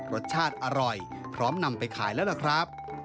รสชาติอร่อยพร้อมนำไปขายแล้วล่ะครับ